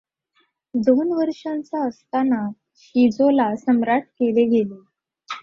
दोन वर्षांचा असताना शिजोला सम्राट केले गेले.